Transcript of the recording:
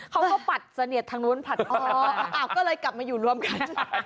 เขาก็ปัดเสนียดทางโน้นอ๋อก็เลยกลับมาอยู่ร่วมกัน